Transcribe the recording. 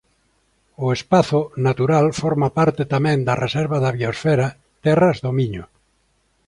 O espazo natural forma parte tamén da Reserva da Biosfera Terras do Miño.